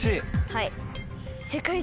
はい。